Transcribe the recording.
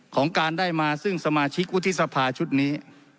ของการได้มาซึ่งสมาชิกวุฒิสภาชุดนี้